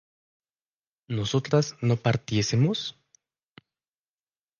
¿nosotras no partiésemos?